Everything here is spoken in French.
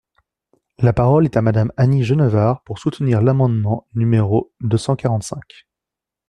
La parole est à Madame Annie Genevard, pour soutenir l’amendement numéro deux cent quarante-cinq.